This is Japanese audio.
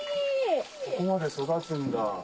ここまで育つんだ。